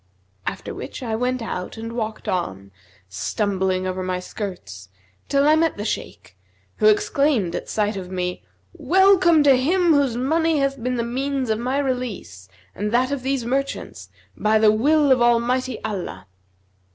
After which I went out and walked on, stumbling over my skirts, till I met the Shaykh, who exclaimed at sight of me, 'Welcome to him whose money hath been the means of my release and that of these merchants, by the will of Almighty Allah.'